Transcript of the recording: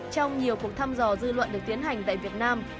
trong nhiều cuộc thăm dò dư luận được tiến hành tại việt nam